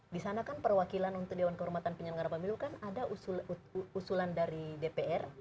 di sana kan perwakilan untuk dewan kehormatan penyelenggara pemilu kan ada usulan dari dpr